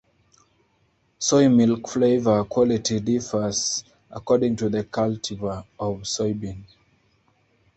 Soy milk flavor quality differs according to the cultivar of soybean.